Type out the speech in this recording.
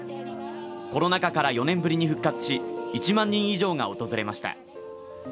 コロナ禍から４年ぶりに復活し１万人以上が訪れました。